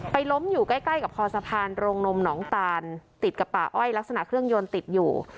ล้มอยู่ใกล้ใกล้กับคอสะพานโรงนมหนองตานติดกับป่าอ้อยลักษณะเครื่องยนต์ติดอยู่